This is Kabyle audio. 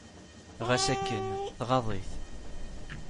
Ɣas akken, tɣaḍ-it.